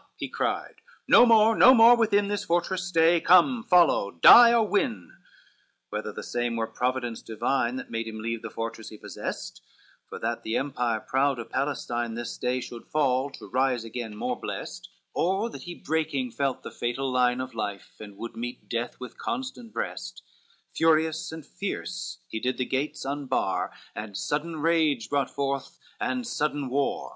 he cried, "no more, no more, within This fortress stay, come follow, die or win." LXXV Whether the same were Providence divine That made him leave the fortress he possessed, For that the empire proud of Palestine This day should fall, to rise again more blessed; Or that he breaking felt the fatal line Of life, and would meet death with constant breast, Furious and fierce he did the gates unbar, And sudden rage brought forth, and sudden war.